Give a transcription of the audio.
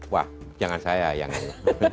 wah jangan saya yang ini